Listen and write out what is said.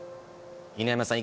犬山さん